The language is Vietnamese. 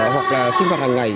hoặc là sinh hoạt hàng ngày